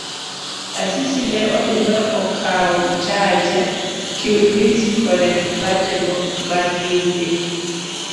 Asisi ne odhi ma okawo Mtaje. Kiulizi koda Kipate magidhi.